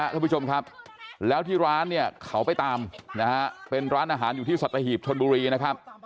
ท่านผู้ชมครับแล้วที่ร้านเนี่ยเขาไปตามนะฮะเป็นร้านอาหารอยู่ที่สัตหีบชนบุรีนะครับ